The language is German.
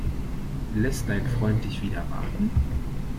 Lässt dein Freund dich wieder warten?